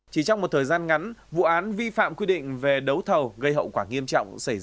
chỉ trong một thời gian ngắn vụ án vi phạm quy định về đấu thầu gây hậu quả nghiêm trọng xảy ra